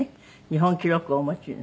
日本記録をお持ちに。